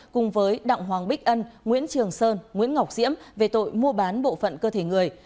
cùng với đặng hoàng bích ân nguyễn trường sơn nguyễn ngọc diễm về tội mua bán bộ phận cơ thể người